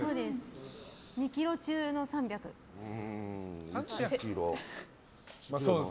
２ｋｇ中の３００です。